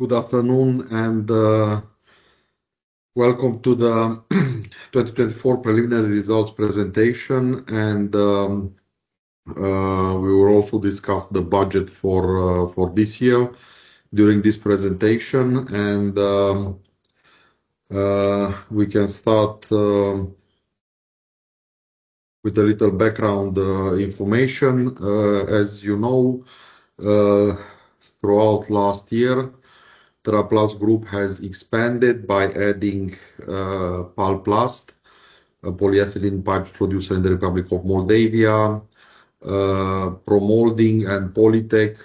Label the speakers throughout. Speaker 1: Good afternoon and welcome to the 2024 preliminary results presentation. We will also discuss the budget for this year during this presentation. We can start with a little background information. As you know, throughout last year, TeraPlast Group has expanded by adding Palplast, a polyethylene pipe producer in the Republic of Moldova, Pro-Moulding and Polytech,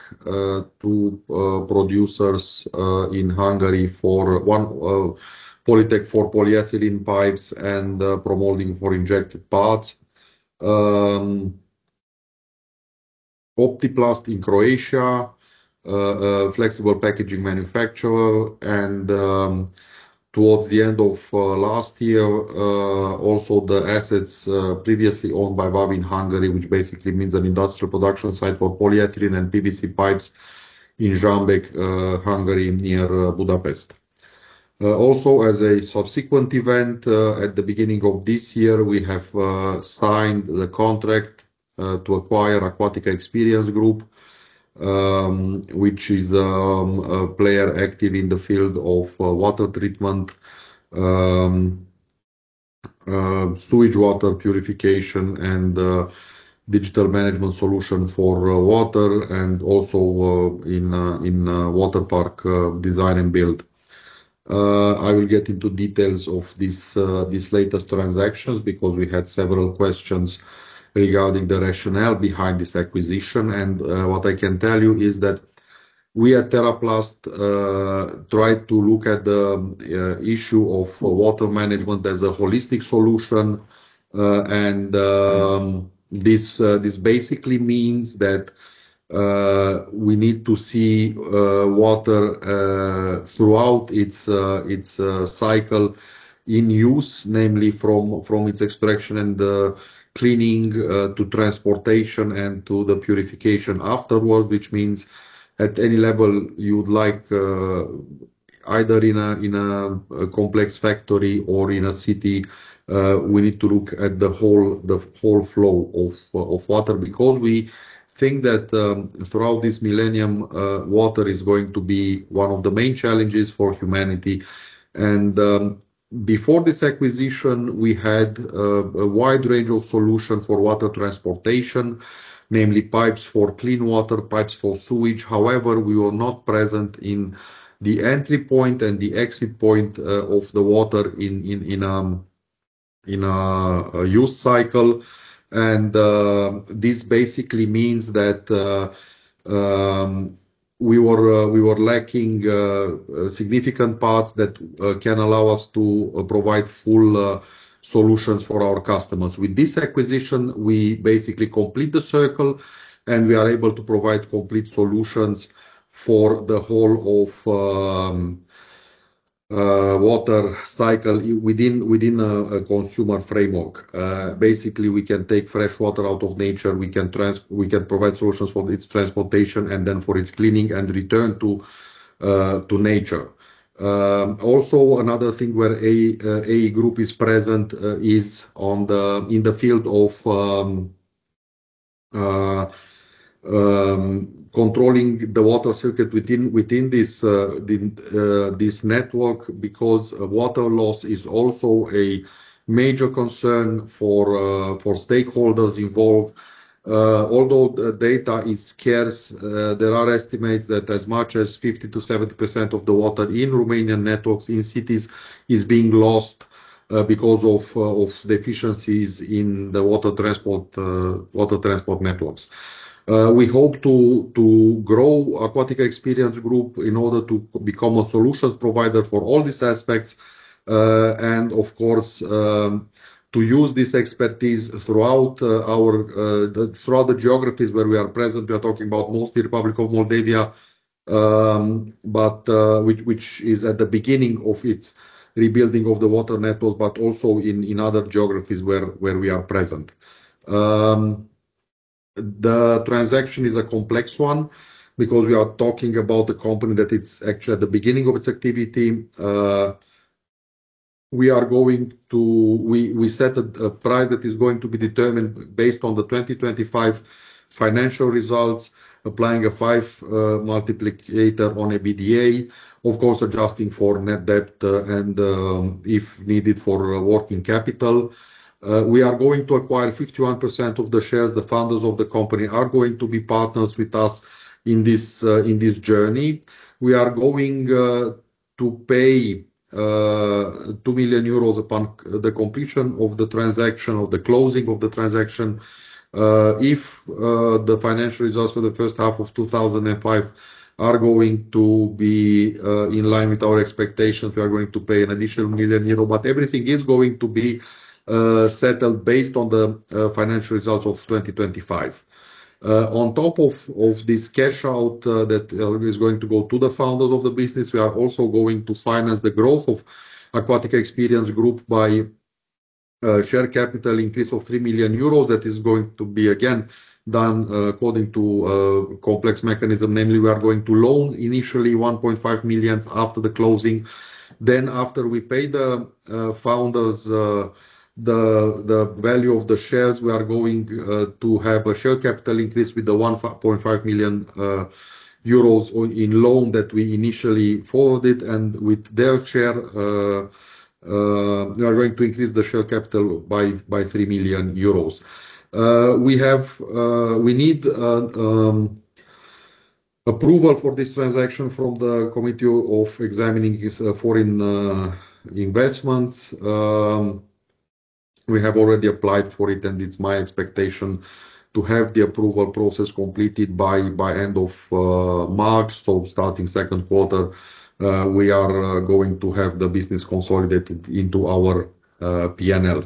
Speaker 1: two producers in Hungary, Polytech for polyethylene pipes and Pro-Moulding for injected parts, Optiplast in Croatia, flexible packaging manufacturer. Towards the end of last year, also the assets previously owned by Wavin Hungary, which basically means an industrial production site for polyethylene and PVC pipes in Zsámbék, Hungary near Budapest. Also, as a subsequent event, at the beginning of this year, we have signed the contract to acquire Aquatica Experience Group, which is a player active in the field of water treatment, sewage water purification, and digital management solution for water, and also in water park design and build. I will get into details of this latest transactions because we had several questions regarding the rationale behind this acquisition. What I can tell you is that we at TeraPlast tried to look at the issue of water management as a holistic solution. This basically means that we need to see water throughout its cycle in use, namely from its extraction and cleaning to transportation and to the purification afterwards, which means at any level you'd like, either in a complex factory or in a city, we need to look at the whole flow of water because we think that throughout this millennium, water is going to be one of the main challenges for humanity. Before this acquisition, we had a wide range of solution for water transportation, namely pipes for clean water, pipes for sewage. However, we were not present in the entry point and the exit point of the water in a use cycle. This basically means that we were lacking significant parts that can allow us to provide full solutions for our customers. With this acquisition, we basically complete the circle and we are able to provide complete solutions for the whole of the water cycle within a consumer framework. Basically, we can take fresh water out of nature, we can provide solutions for its transportation and then for its cleaning and return to nature. Also, another thing where AE Group is present is in the field of controlling the water circuit within this network because water loss is also a major concern for stakeholders involved. Although the data is scarce, there are estimates that as much as 50%-70% of the water in Romanian networks in cities is being lost because of deficiencies in the water transport networks. We hope to grow Aquatica Experience Group in order to become a solutions provider for all these aspects. Of course, to use this expertise throughout the geographies where we are present. We are talking about mostly Republic of Moldova, which is at the beginning of its rebuilding of the water networks, but also in other geographies where we are present. The transaction is a complex one because we are talking about a company that is actually at the beginning of its activity. We are going to, we set a price that is going to be determined based on the 2025 financial results, applying a five multiplicator on EBITDA, of course adjusting for net debt and, if needed, for working capital. We are going to acquire 51% of the shares. The founders of the company are going to be partners with us in this, in this journey. We are going to pay 2 million upon the completion of the transaction or the closing of the transaction. If the financial results for the first half of 2025 are going to be in line with our expectations, we are going to pay an additional 1 million euro, but everything is going to be settled based on the financial results of 2025. On top of this cash out that is going to go to the founders of the business, we are also going to finance the growth of Aquatica Experience Group by share capital increase of 3 million euros that is going to be again done according to a complex mechanism. Namely, we are going to loan initially 1.5 million after the closing. Then after we pay the founders the value of the shares, we are going to have a share capital increase with the 1.5 million euros in loan that we initially forwarded. And with their share, we are going to increase the share capital by EUR 3 million. We need approval for this transaction from the Committee of Examining Foreign Investments. We have already applied for it and it's my expectation to have the approval process completed by end of March. Starting second quarter, we are going to have the business consolidated into our P&L.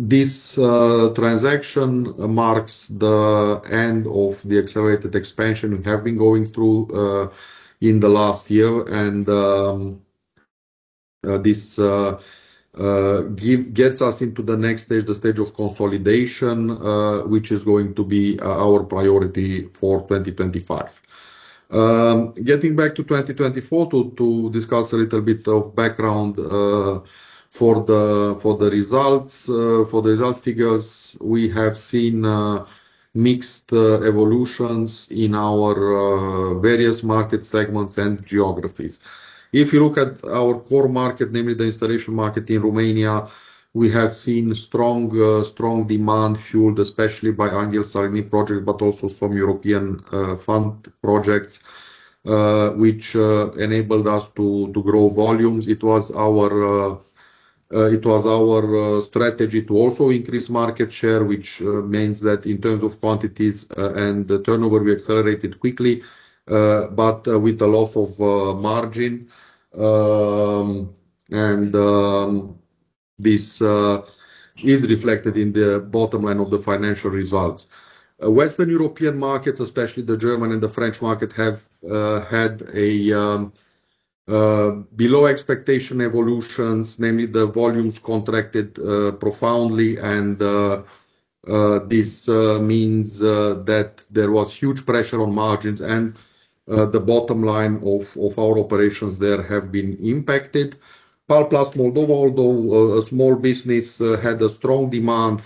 Speaker 1: This transaction marks the end of the accelerated expansion we have been going through in the last year. This gets us into the next stage, the stage of consolidation, which is going to be our priority for 2025. Getting back to 2024 to discuss a little bit of background for the results, for the result figures, we have seen mixed evolutions in our various market segments and geographies. If you look at our core market, namely the installation market in Romania, we have seen strong demand fueled especially by Anghel Saligny project, but also some European fund projects, which enabled us to grow volumes. It was our strategy to also increase market share, which means that in terms of quantities and the turnover, we accelerated quickly, but with a loss of margin. This is reflected in the bottom line of the financial results. Western European markets, especially the German and the French market, have had below expectation evolutions, namely the volumes contracted profoundly. This means that there was huge pressure on margins and the bottom line of our operations there have been impacted. Palplast Moldova, although a small business, had a strong demand,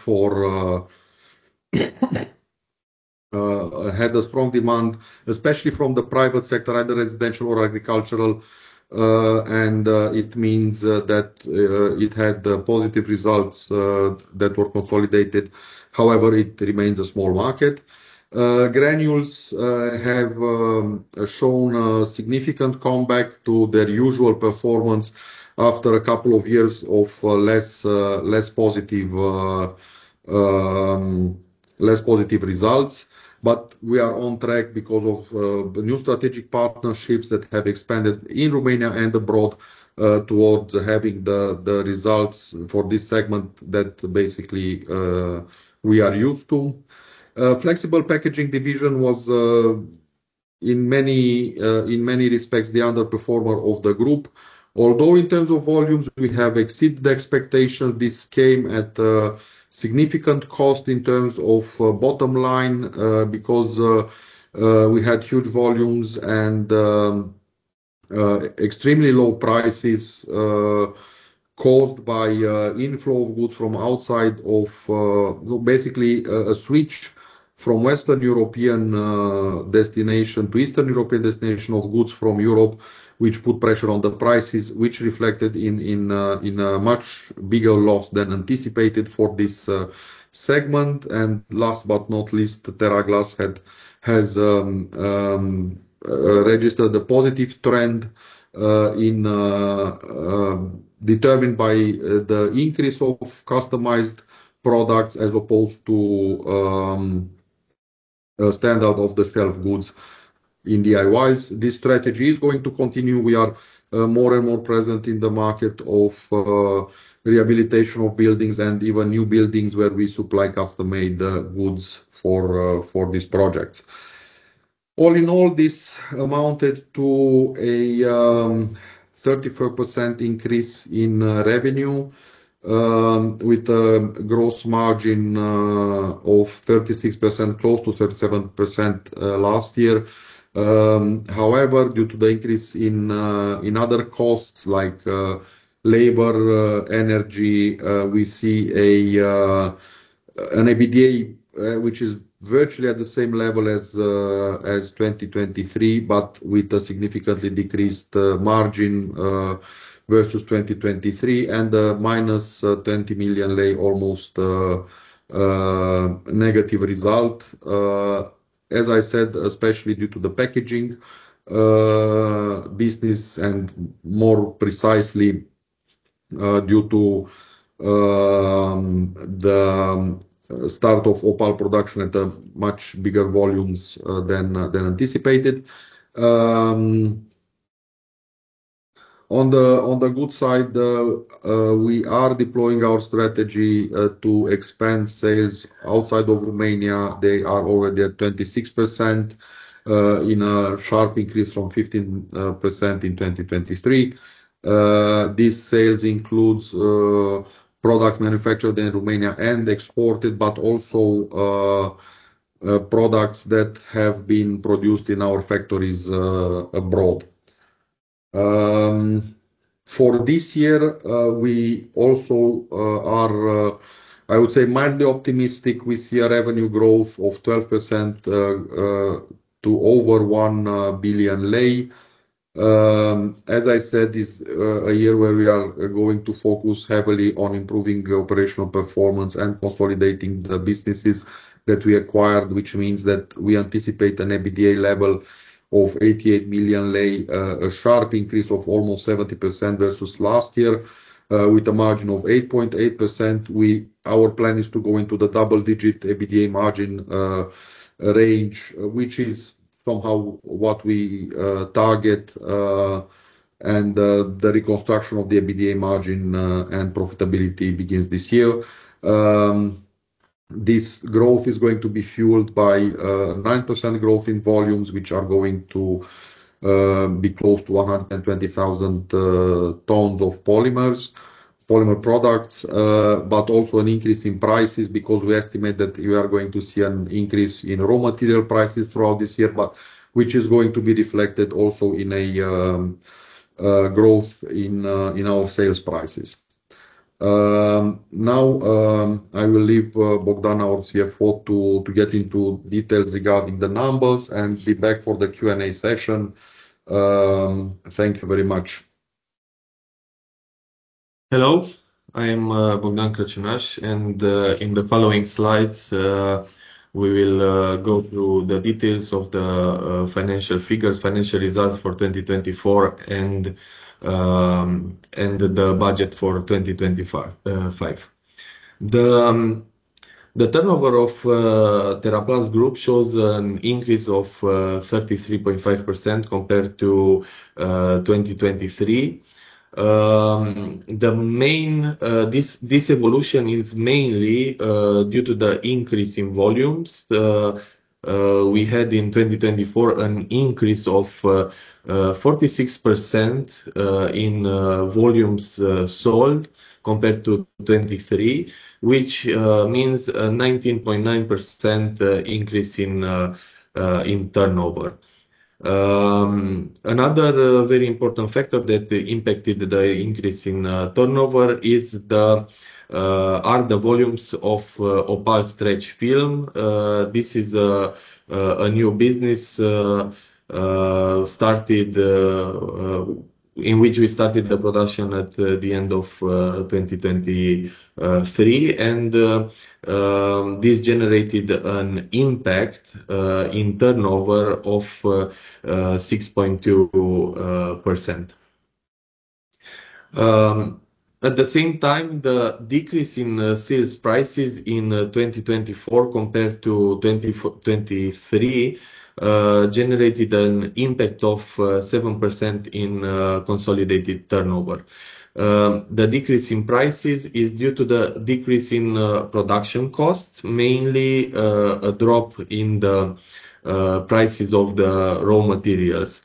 Speaker 1: especially from the private sector, either residential or agricultural. It means that it had positive results that were consolidated. However, it remains a small market. Granules have shown a significant comeback to their usual performance after a couple of years of less positive results. We are on track because of new strategic partnerships that have expanded in Romania and abroad, towards having the results for this segment that basically we are used to. The flexible packaging division was, in many respects, the underperformer of the group. Although in terms of volumes, we have exceeded the expectation, this came at significant cost in terms of bottom line, because we had huge volumes and extremely low prices, caused by inflow of goods from outside of, so basically a switch from Western European destination to Eastern European destination of goods from Europe, which put pressure on the prices, which reflected in a much bigger loss than anticipated for this segment. Last but not least, TeraPlast has registered a positive trend, determined by the increase of customized products as opposed to standard off-the-shelf goods in DIYs. This strategy is going to continue. We are more and more present in the market of rehabilitation of buildings and even new buildings where we supply custom-made goods for these projects. All in all, this amounted to a 34% increase in revenue, with a gross margin of 36%, close to 37%, last year. However, due to the increase in other costs like labor, energy, we see an EBITDA which is virtually at the same level as 2023, but with a significantly decreased margin versus 2023 and a -RON 20 million, almost negative result. As I said, especially due to the packaging business and more precisely, due to the start of Opal production at much bigger volumes than anticipated. On the good side, we are deploying our strategy to expand sales outside of Romania. They are already at 26%, in a sharp increase from 15% in 2023. These sales include products manufactured in Romania and exported, but also products that have been produced in our factories abroad. For this year, we also are, I would say, mildly optimistic. We see a revenue growth of 12%, to over RON 1 billion. As I said, it's a year where we are going to focus heavily on improving the operational performance and consolidating the businesses that we acquired, which means that we anticipate an EBITDA level of RON 88 million, a sharp increase of almost 70% versus last year, with a margin of 8.8%. Our plan is to go into the double-digit EBITDA margin range, which is somehow what we target, and the reconstruction of the EBITDA margin and profitability begins this year. This growth is going to be fueled by 9% growth in volumes, which are going to be close to 120,000 tons of polymers, polymer products, but also an increase in prices because we estimate that we are going to see an increase in raw material prices throughout this year, which is going to be reflected also in a growth in our sales prices. Now, I will leave Bogdan, our CFO, to get into details regarding the numbers and be back for the Q&A session. Thank you very much.
Speaker 2: Hello, I am Bogdan Crăciunaș and, in the following slides, we will go through the details of the financial figures, financial results for 2024 and the budget for 2025. The turnover of TeraPlast Group shows an increase of 33.5% compared to 2023. This evolution is mainly due to the increase in volumes. We had in 2024 an increase of 46% in volumes sold compared to 2023, which means a 19.9% increase in turnover. Another very important factor that impacted the increase in turnover is the volumes of Opal stretch film. This is a new business, in which we started the production at the end of 2023. This generated an impact in turnover of 6.2%. At the same time, the decrease in sales prices in 2024 compared to 2023 generated an impact of 7% in consolidated turnover. The decrease in prices is due to the decrease in production costs, mainly a drop in the prices of the raw materials.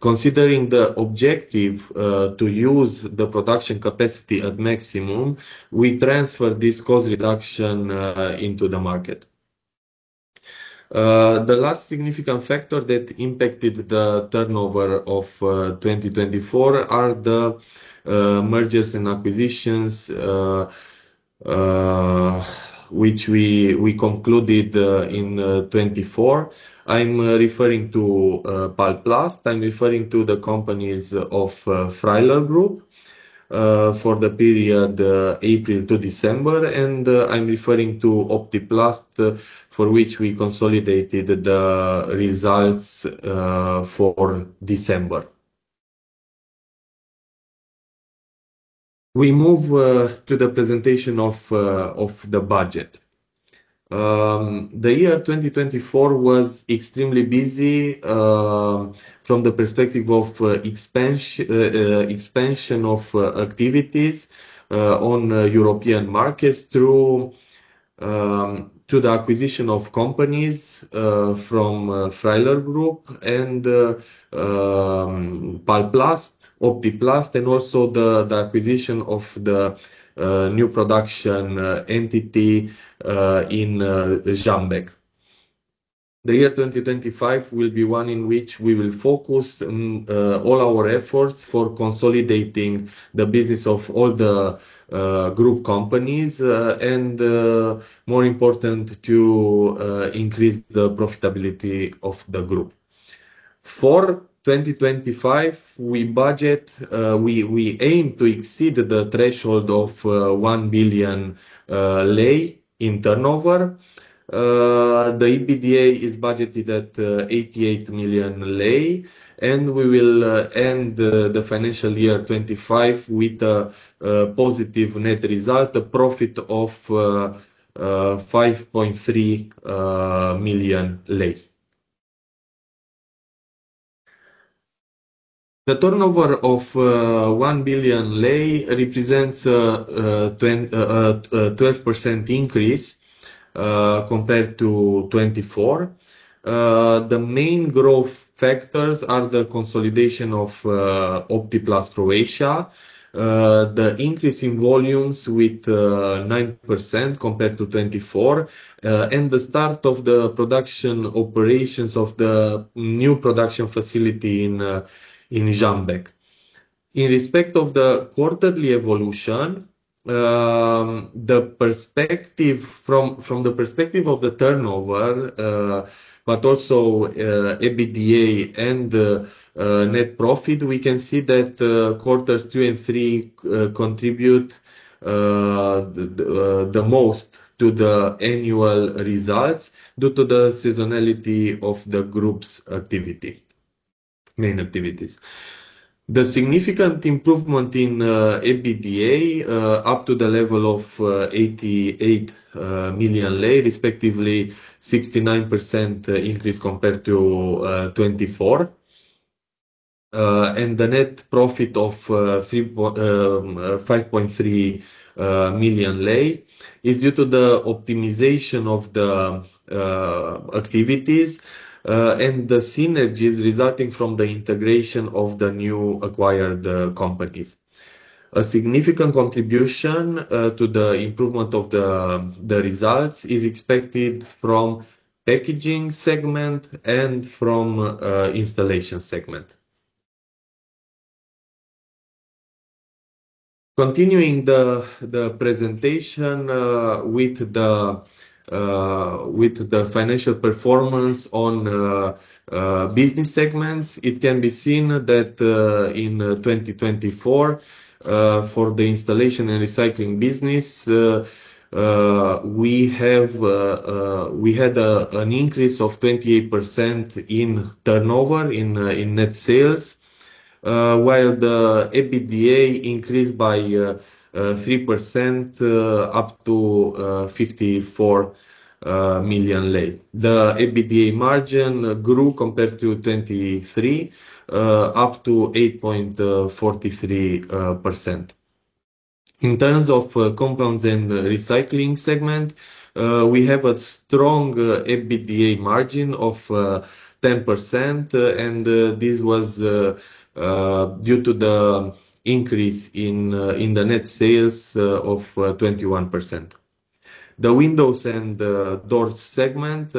Speaker 2: Considering the objective to use the production capacity at maximum, we transfer this cost reduction into the market. The last significant factor that impacted the turnover of 2024 are the mergers and acquisitions, which we concluded in 2024. I'm referring to Palplast. I'm referring to the companies of Freiler Group, for the period April to December. I'm referring to Optiplast, for which we consolidated the results for December. We move to the presentation of the budget. The year 2024 was extremely busy from the perspective of expansion, expansion of activities on European markets through to the acquisition of companies from Freiler Group and Palplast, Optiplast, and also the acquisition of the new production entity in Zsámbék. The year 2025 will be one in which we will focus all our efforts for consolidating the business of all the group companies, and, more important, to increase the profitability of the group. For 2025, we budget, we aim to exceed the threshold of RON 1 billion in turnover. The EBITDA is budgeted at RON 88 million, and we will end the financial year 2025 with a positive net result, a profit of RON 5.3 million. The turnover of RON 1 billion represents a 12% increase compared to 2024. The main growth factors are the consolidation of Optiplast Croatia, the increase in volumes with 9% compared to 2024, and the start of the production operations of the new production facility in Zsámbék. In respect of the quarterly evolution, from the perspective of the turnover, but also EBITDA and net profit, we can see that quarters two and three contribute the most to the annual results due to the seasonality of the group's main activities. The significant improvement in EBITDA, up to the level of RON 88 million, respectively a 69% increase compared to 2024, and the net profit of RON 5.3 million is due to the optimization of the activities and the synergies resulting from the integration of the newly acquired companies. A significant contribution to the improvement of the results is expected from the packaging segment and from the installation segment. Continuing the presentation with the financial performance on business segments, it can be seen that in 2024, for the installation and recycling business, we had an increase of 28% in turnover, in net sales, while the EBITDA increased by 3%, up to RON 54 million. The EBITDA margin grew compared to 2023, up to 8.43%. In terms of compounds and recycling segment, we have a strong EBITDA margin of 10%, and this was due to the increase in the net sales of 21%. The windows and doors segment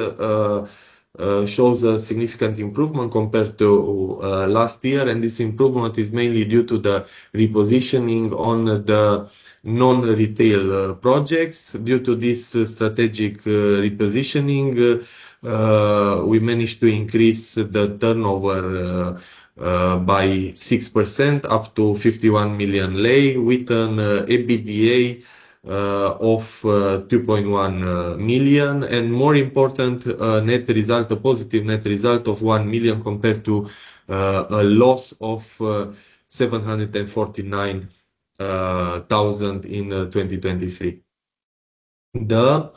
Speaker 2: shows a significant improvement compared to last year, and this improvement is mainly due to the repositioning on the non-retail projects. Due to this strategic repositioning, we managed to increase the turnover by 6% up to RON 51 million with an EBITDA of RON 2.1 million, and more important, net result, a positive net result of RON 1 million compared to a loss of RON 749,000 in 2023. The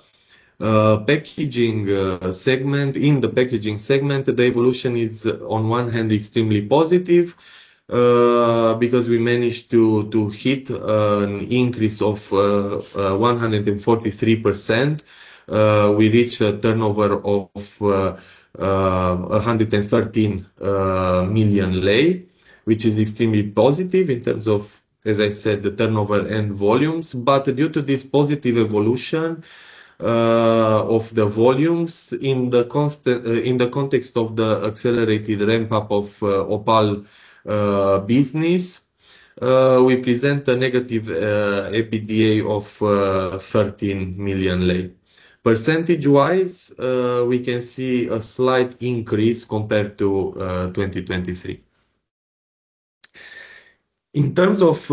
Speaker 2: packaging segment, in the packaging segment, the evolution is on one hand extremely positive, because we managed to hit an increase of 143%. We reached a turnover of RON 113 million, which is extremely positive in terms of, as I said, the turnover and volumes. Due to this positive evolution of the volumes in the context of the accelerated ramp-up of Opal business, we present a negative EBITDA of RON 13 million. Percentage-wise, we can see a slight increase compared to 2023. In terms of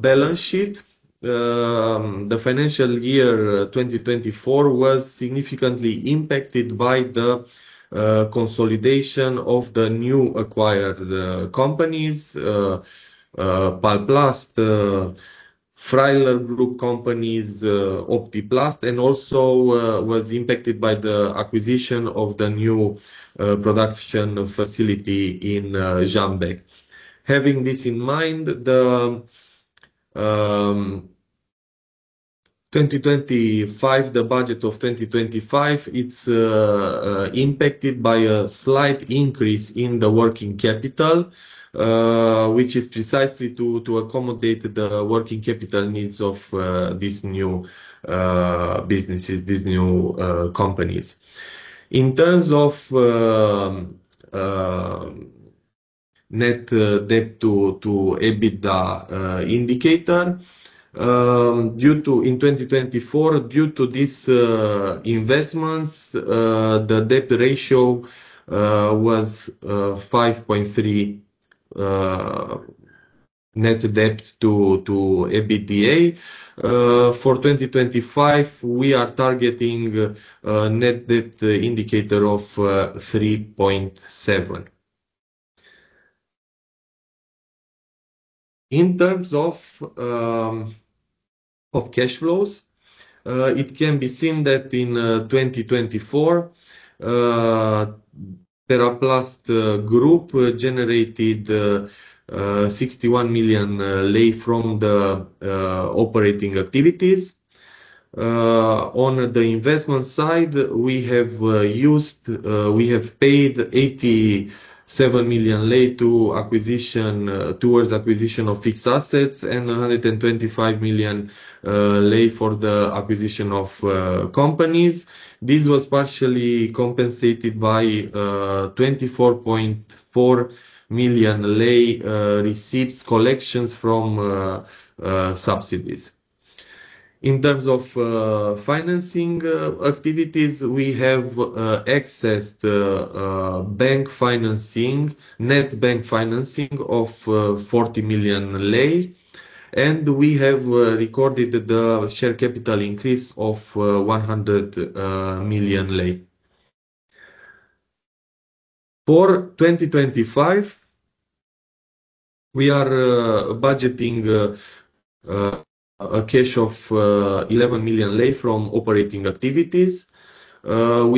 Speaker 2: balance sheet, the financial year 2024 was significantly impacted by the consolidation of the newly acquired companies, Palplast, Freiler Group companies, Optiplast, and also was impacted by the acquisition of the new production facility in Zsámbék. Having this in mind, the 2025, the budget of 2025, it's impacted by a slight increase in the working capital, which is precisely to accommodate the working capital needs of these new businesses, these new companies. In terms of net debt to EBITDA indicator, in 2024, due to these investments, the debt ratio was 5.3 net debt to EBITDA. For 2025, we are targeting net debt indicator of 3.7. In terms of cash flows, it can be seen that in 2024, TeraPlast Group generated RON 61 million from the operating activities. On the investment side, we have used, we have paid RON 87 million to acquisition, towards acquisition of fixed assets and RON 125 million for the acquisition of companies. This was partially compensated by RON 24.4 million receipts collections from subsidies. In terms of financing activities, we have accessed bank financing, net bank financing of RON 40 million, and we have recorded the share capital increase of RON 100 million. For 2025, we are budgeting a cash of RON 11 million from operating activities. We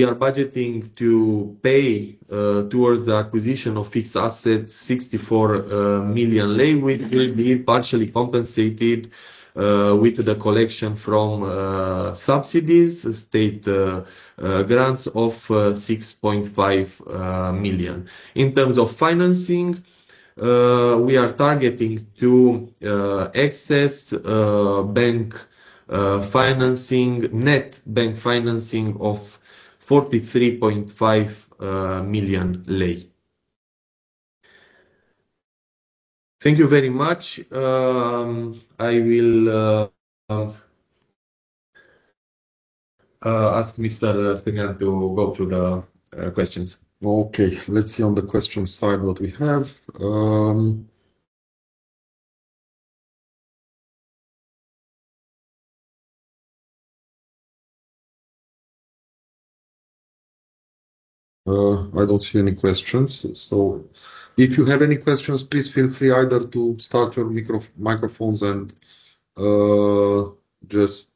Speaker 2: are budgeting to pay towards the acquisition of fixed assets RON 64 million, which will be partially compensated with the collection from subsidies, state grants of RON 6.5 million. In terms of financing, we are targeting to access bank financing, net bank financing of RON 43.5 million. Thank you very much. I will ask Mr. Stânean to go through the questions.
Speaker 1: Okay. Let's see on the question side what we have. I don't see any questions. If you have any questions, please feel free either to start your microphones and just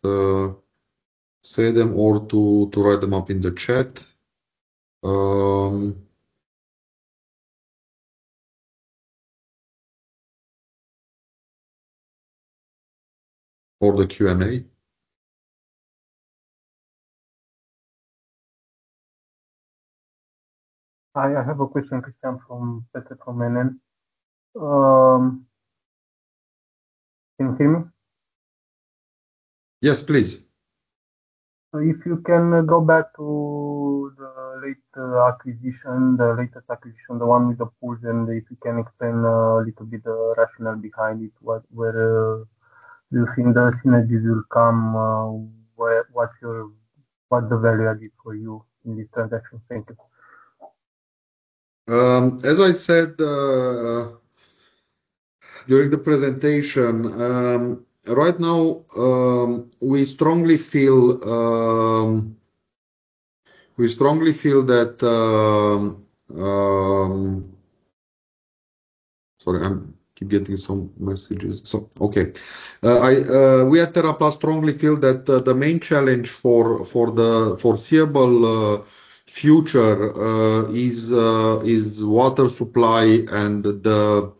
Speaker 1: say them or to write them up in the chat or the Q&A. Hi, I have a question, Cristian from NN. Can you hear me? Yes, please. If you can go back to the latest acquisition, the one with the pool, and if you can explain a little bit the rationale behind it, where you think the synergies will come, what's your value added for you in this transaction? Thank you. As I said during the presentation, right now, we strongly feel that, sorry, I keep getting some messages. Okay. We at TeraPlast strongly feel that the main challenge for the foreseeable future is water supply and the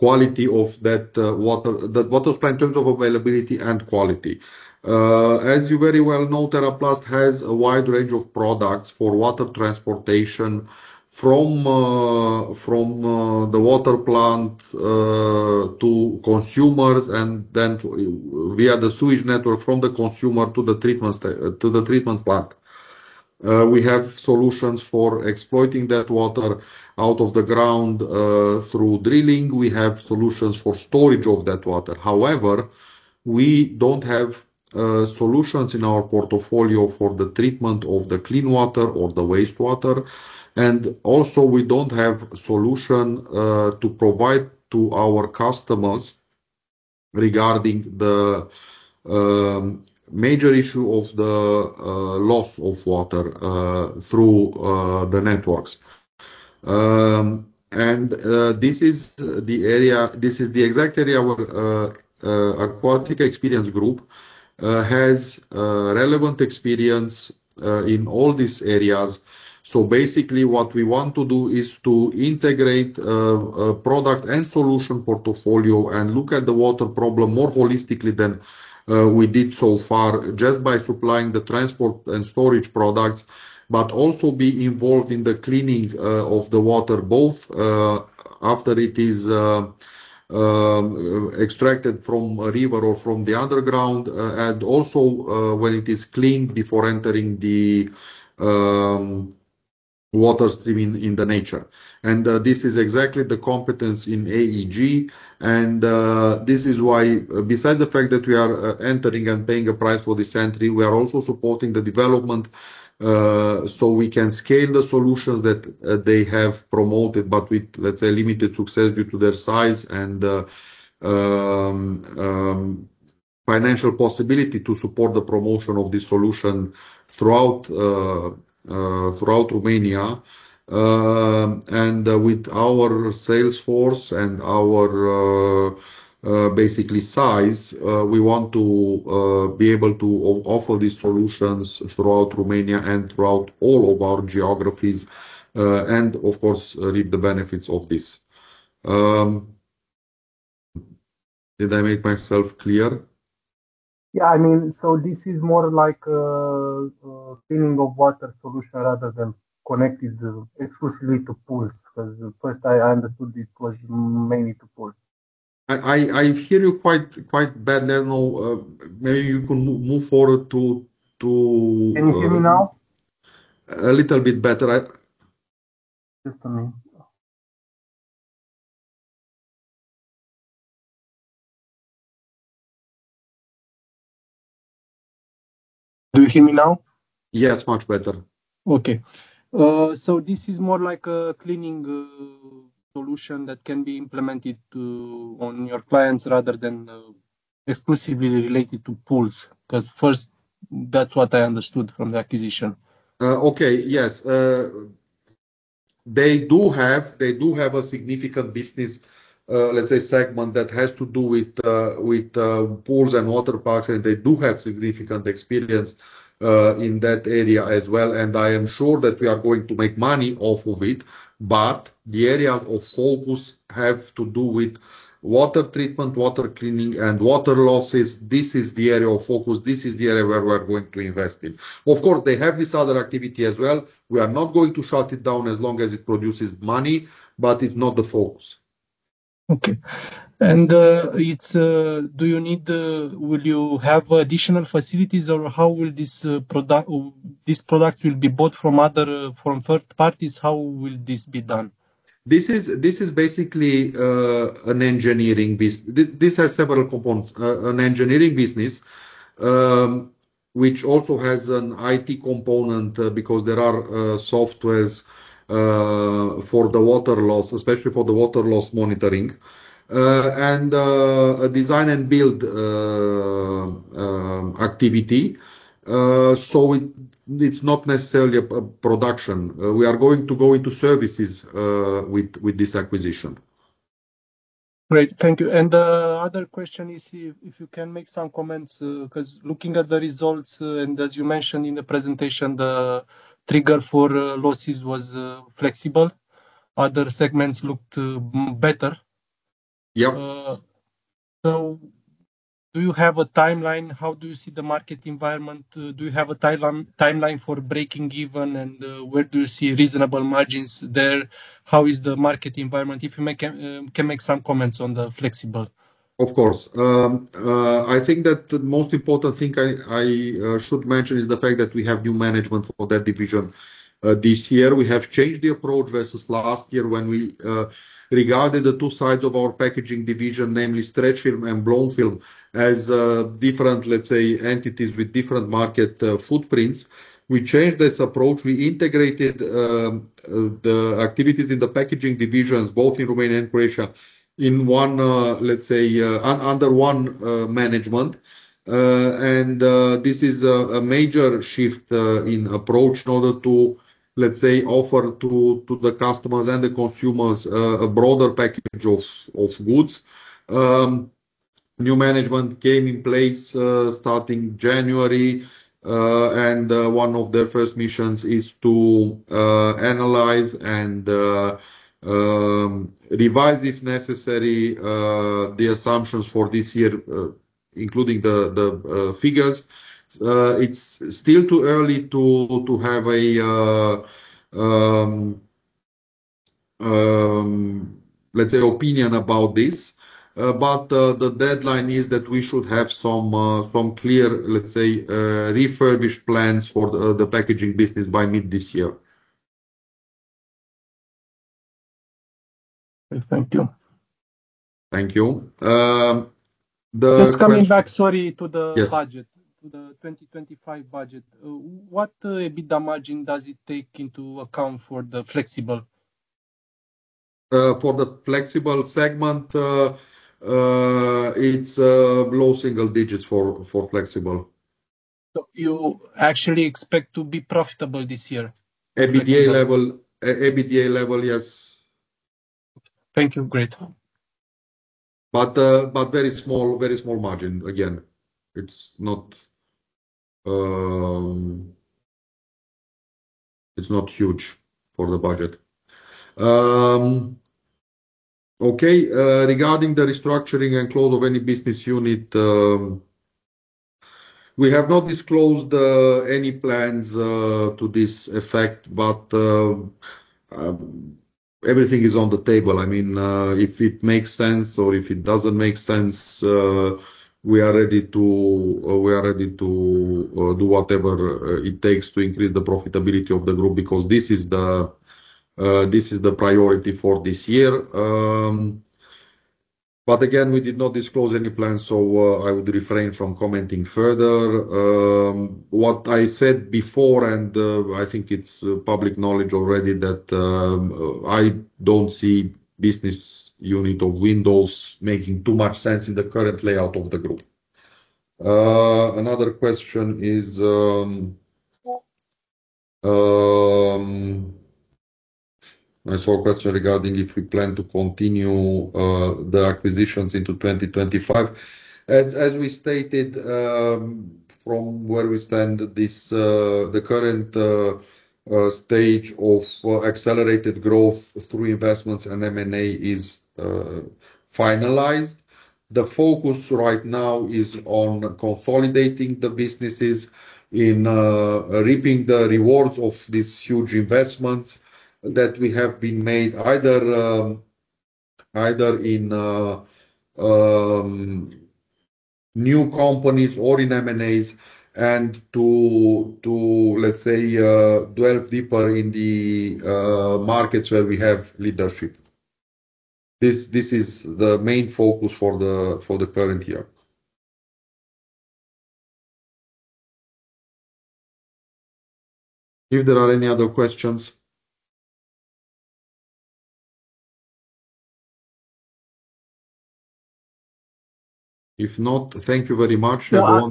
Speaker 1: quality of that water, that water supply in terms of availability and quality. As you very well know, TeraPlast has a wide range of products for water transportation from the water plant to consumers and then via the sewage network from the consumer to the treatment plant. We have solutions for exploiting that water out of the ground through drilling. We have solutions for storage of that water. However, we do not have solutions in our portfolio for the treatment of the clean water or the wastewater. We do not have a solution to provide to our customers regarding the major issue of the loss of water through the networks. This is the area, this is the exact area where Aquatica Experience Group has relevant experience in all these areas. Basically, what we want to do is to integrate a product and solution portfolio and look at the water problem more holistically than we did so far just by supplying the transport and storage products, but also be involved in the cleaning of the water both after it is extracted from a river or from the underground, and also when it is cleaned before entering the water stream in nature. This is exactly the competence in AEG. This is why, besides the fact that we are entering and paying a price for this entry, we are also supporting the development, so we can scale the solutions that they have promoted, but with, let's say, limited success due to their size and financial possibility to support the promotion of this solution throughout Romania. With our sales force and our, basically, size, we want to be able to offer these solutions throughout Romania and throughout all of our geographies, and of course, reap the benefits of this. Did I make myself clear? Yeah. I mean, this is more like cleaning of water solution rather than connected exclusively to pools. Because first I understood it was mainly to pools. I hear you quite, quite badly. I don't know, maybe you can move forward. Can you hear me now? A little bit better. Just a minute. Do you hear me now? Yes, much better. Okay. This is more like a cleaning solution that can be implemented on your clients rather than exclusively related to pools. Because first, that's what I understood from the acquisition. Okay. Yes, they do have a significant business, let's say, segment that has to do with pools and water parks, and they do have significant experience in that area as well. I am sure that we are going to make money off of it, but the areas of focus have to do with water treatment, water cleaning, and water losses. This is the area of focus. This is the area where we're going to invest in. Of course, they have this other activity as well. We are not going to shut it down as long as it produces money, but it's not the focus. Okay. Do you need, will you have additional facilities or how will this product, this product will be bought from other, from third parties? How will this be done? This is basically an engineering business. This has several components, an engineering business, which also has an IT component because there are softwares for the water loss, especially for the water loss monitoring, and a design and build activity. It is not necessarily a production. We are going to go into services with this acquisition. Great. Thank you. The other question is if you can make some comments, because looking at the results and as you mentioned in the presentation, the trigger for losses was flexible. Other segments looked better. Yep. Do you have a timeline? How do you see the market environment? Do you have a timeline for breaking even and where do you see reasonable margins there? How is the market environment? If you can, can make some comments on the flexible. Of course. I think that the most important thing I should mention is the fact that we have new management for that division this year. We have changed the approach versus last year when we regarded the two sides of our packaging division, namely stretch film and blown film, as different, let's say, entities with different market footprints. We changed this approach. We integrated the activities in the packaging divisions, both in Romania and Croatia, in one, let's say, under one management. This is a major shift in approach in order to, let's say, offer to the customers and the consumers a broader package of goods. New management came in place starting January, and one of their first missions is to analyze and revise if necessary the assumptions for this year, including the figures. It's still too early to have a, let's say, opinion about this. The deadline is that we should have some clear, let's say, refurbished plans for the packaging business by mid this year. Thank you. Thank you. Just coming back, sorry, to the budget, to the 2025 budget. What EBITDA margin does it take into account for the flexible? For the flexible segment, it's a low single digits for flexible. You actually expect to be profitable this year? EBITDA level, EBITDA level, yes. Thank you. Great. But very small, very small margin. Again, it's not, it's not huge for the budget. Okay. Regarding the restructuring and close of any business unit, we have not disclosed any plans to this effect, but everything is on the table. I mean, if it makes sense or if it doesn't make sense, we are ready to, we are ready to do whatever it takes to increase the profitability of the group because this is the, this is the priority for this year. But again, we did not disclose any plans, so I would refrain from commenting further. What I said before, and I think it's public knowledge already that I don't see business unit of windows making too much sense in the current layout of the group. Another question is, I saw a question regarding if we plan to continue the acquisitions into 2025. As we stated, from where we stand, the current stage of accelerated growth through investments and M&A is finalized. The focus right now is on consolidating the businesses and reaping the rewards of these huge investments that we have made either in new companies or in M&As and to, let's say, delve deeper in the markets where we have leadership. This is the main focus for the current year. If there are any other questions. If not, thank you very much. Yeah.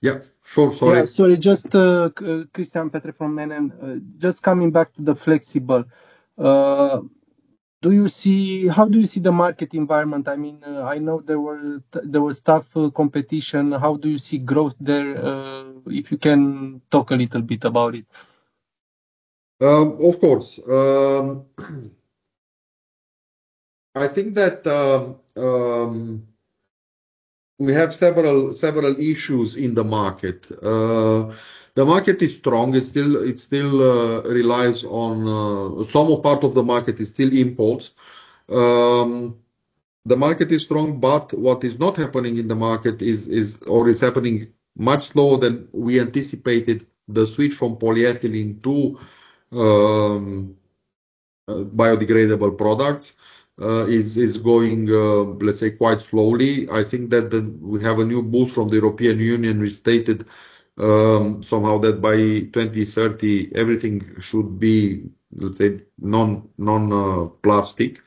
Speaker 1: Yeah. Sure. Sorry. Sorry. Just, Cristian Petre from NN. Just coming back to the flexible. Do you see, how do you see the market environment? I mean, I know there was tough competition. How do you see growth there? If you can talk a little bit about it. Of course. I think that we have several issues in the market. The market is strong. It's still, it still relies on, some part of the market is still imports. The market is strong, but what is not happening in the market is, or is happening much slower than we anticipated. The switch from polyethylene to biodegradable products is going, let's say, quite slowly. I think that we have a new boost from the European Union. We stated somehow that by 2030, everything should be, let's say, non-plastic.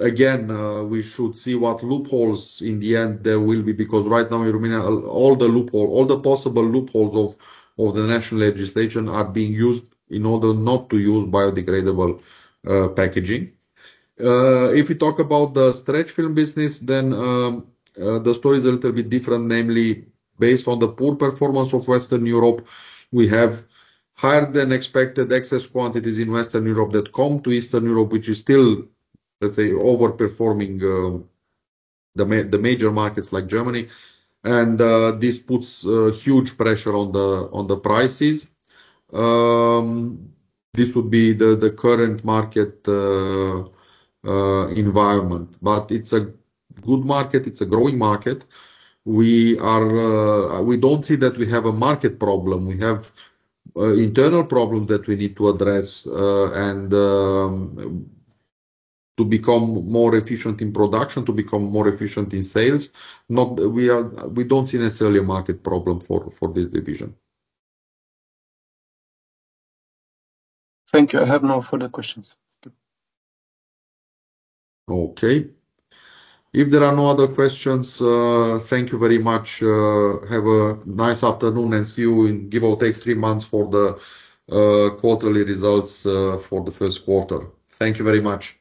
Speaker 1: Again, we should see what loopholes in the end there will be because right now in Romania, all the loopholes, all the possible loopholes of the national legislation are being used in order not to use biodegradable packaging. If we talk about the stretch film business, then the story is a little bit different, namely based on the poor performance of Western Europe. We have higher than expected excess quantities in Western Europe that come to Eastern Europe, which is still, let's say, overperforming, the major markets like Germany. This puts huge pressure on the prices. This would be the current market environment, but it's a good market. It's a growing market. We are, we don't see that we have a market problem. We have internal problems that we need to address, and to become more efficient in production, to become more efficient in sales. We don't see necessarily a market problem for this division. Thank you. I have no further questions. Okay. If there are no other questions, thank you very much. Have a nice afternoon and see you in, give or take, three months for the quarterly results for the first quarter. Thank you very much.
Speaker 2: Thank you.